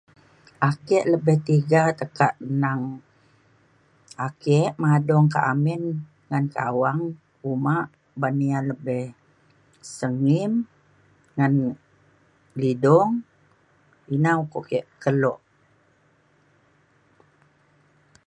ake lebih tiga tekak nang ake madung kak amin ngan kawang uma ban ia’ lebih sengim ngan lidung. ina ukok ke kelo.